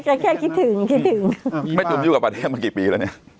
ก็แค่คิดถึงคิดถึงแม่ตุ๋มอยู่กับประเทศมากี่ปีแล้วเนี่ย